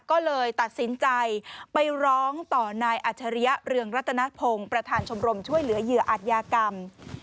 ก็เลยตัดสินใจไปร้องต่อนายอัจฉริยะเรืองรัตนพงศ์ประธานชมรมช่วยเหลือเหยื่ออาจยากรรม